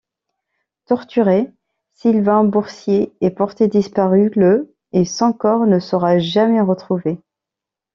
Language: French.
Torturé, Sylvain Boursier est porté disparu le et son corps ne sera jamais retrouvé.